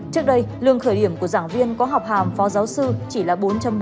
trước đây lương khởi điểm của giảng viên có học hàm phó giáo sư chỉ là bốn bốn